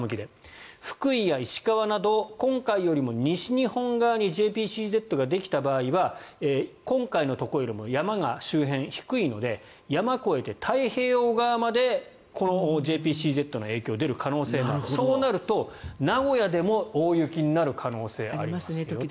福井や石川など今回よりも西日本側にＪＰＣＺができた場合は今回のところよりも山が周辺は低いので山を越えて太平洋側までこのＪＰＣＺの影響が出る可能性があるそうなると、名古屋でも大雪になる可能性が時々ありますよね。